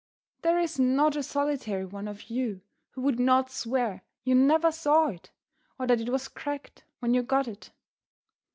There is not a solitary one of you who would not swear you never saw it, or that it was cracked when you got it.